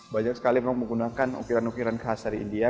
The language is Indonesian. banyak sekali memang menggunakan ukiran ukiran khas dari india